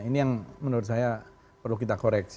ini yang menurut saya perlu kita koreksi